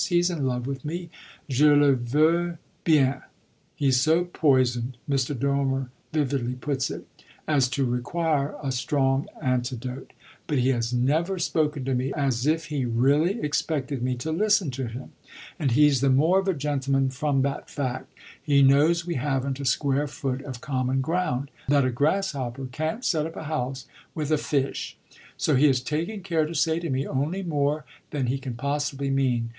He's in love with me, je le veux bien; he's so poisoned Mr. Dormer vividly puts it as to require a strong antidote; but he has never spoken to me as if he really expected me to listen to him, and he's the more of a gentleman from that fact. He knows we haven't a square foot of common ground that a grasshopper can't set up a house with a fish. So he has taken care to say to me only more than he can possibly mean.